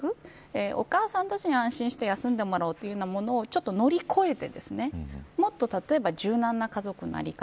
お母さんたちに安心して休んでもらおうというものを乗り越えてもっと柔軟な家族の在り方。